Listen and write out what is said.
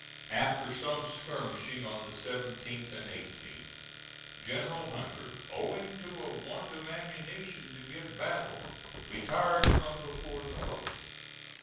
After some skirmishing on the 17th and 18th, General Hunter, owing to a want of ammunition to give battle, retired from before the place.